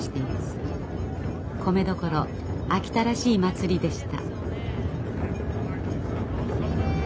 米どころ秋田らしい祭りでした。